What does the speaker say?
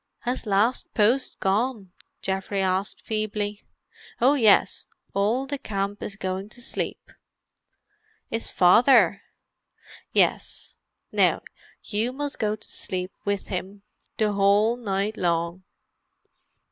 "Has 'Last Post' gone?" Geoffrey asked feebly. "Oh yes. All the camp is going to sleep." "Is Father?" "Yes. Now you must go to sleep with him, the whole night long."